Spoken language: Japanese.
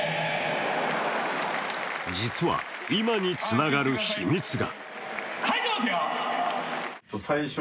実は、今につながる秘密が。